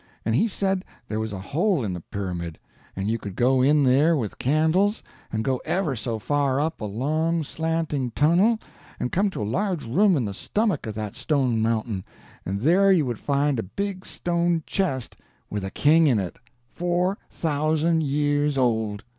And he said there was a hole in the pyramid, and you could go in there with candles, and go ever so far up a long slanting tunnel, and come to a large room in the stomach of that stone mountain, and there you would find a big stone chest with a king in it, four thousand years old.